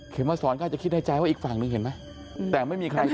มาสอนก็อาจจะคิดในใจว่าอีกฝั่งหนึ่งเห็นไหมแต่ไม่มีใคร